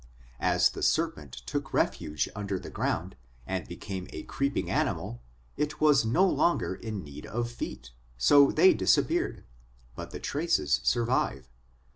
As the serpent took refuge under the ground, and became a creeping animal, it was no longer in need of feet, so they disappeared; but their traces survive.